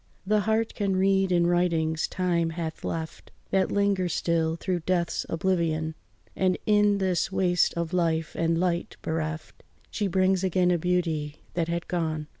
The heart can read in writings time hath left, That linger still through death's oblivion; And in this waste of life and light bereft, She brings again a beauty that had gone.